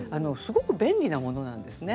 ごく便利なものなんですね。